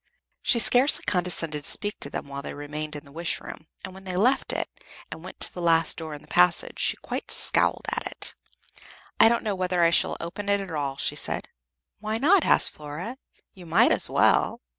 She scarcely condescended to speak to them while they remained in the Wish room, and when they left it, and went to the last door in the passage, she quite scowled at it. "I don't know whether I shall open it at all," she said. "Why not?" asked Flora. "You might as well."